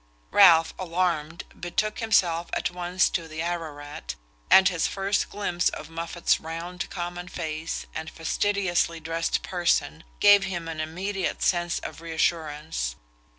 Ralph, alarmed, betook himself at once to the Ararat, and his first glimpse of Moffatt's round common face and fastidiously dressed person gave him an immediate sense of reassurance.